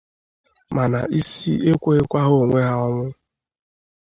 mana isi ekweghịkwa ha onwe ha ọnwụ